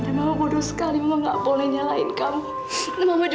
k se profund percaya dengan diri itu selama berdua tiga masa